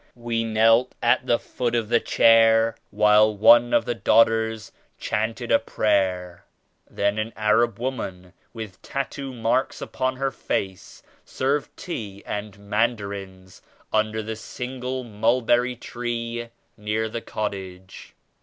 We knelt at the foot of the chair while one of the daughters chanted a prayer. Then an Arab woman with tattoo marks upon her face served tea and mandarins under the single mul berry tree near the cottage.